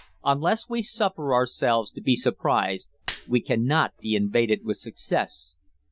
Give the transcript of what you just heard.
Unless we suffer ourselves to be surprised we cannot be invaded with success.